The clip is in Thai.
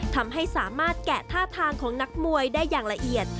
ทำให้สามารถแกะท่าทางของนักมวยได้อย่างละเอียด